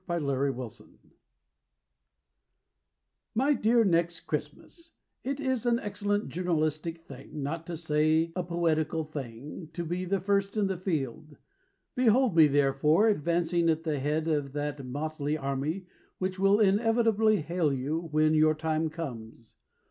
TO NEXT CHRISTMAS My dear Next Christmas, It is an excellent journalistic thing, Not to say a poetical thing, To be first in the field. Behold me, therefore, advancing At the head of that motley army Which will inevitably hail you When your time comes.